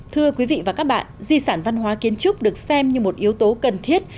thưa quý vị và các bạn di sản văn hóa kiến trúc được xem như một yếu tố cần thiết